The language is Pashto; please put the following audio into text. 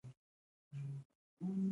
دوی د هنر او تاریخ ملاتړ کوي.